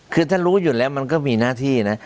คือถ้ารู้อยู่แล้วมันก็มีหน้าที่นะ